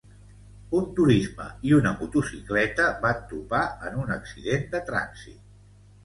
Un turisme i una motocicleta van topar en un accident de trànsit